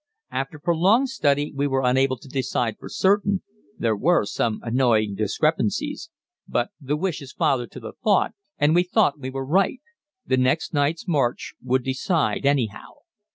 After prolonged study we were unable to decide for certain there were some annoying discrepancies; but "the wish is father to the thought," and we thought we were right. The next night's march would decide, anyhow.